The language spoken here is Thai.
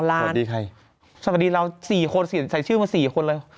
สวัสดีเรา๔คนเสียชื่อมา๔คนเลย